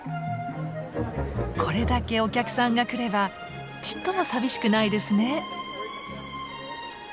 これだけお客さんが来ればちっとも寂しくないですね！